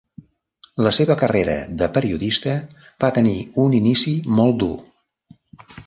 La seva carrera de periodista va tenir un inici molt dur.